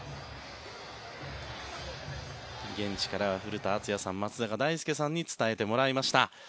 現地から古田敦也さん、松坂大輔さんに伝えてもらいました。